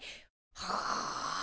はあ。